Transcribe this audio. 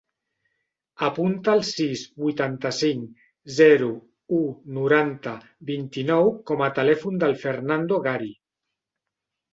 Apunta el sis, vuitanta-cinc, zero, u, noranta, vint-i-nou com a telèfon del Fernando Gari.